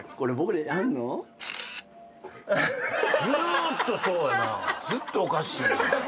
ずーっとそうやなずっとおかしい。